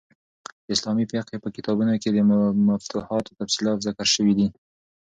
د اسلامي فقهي په کتابو کښي د مفتوحانو تفصیلات ذکر سوي دي.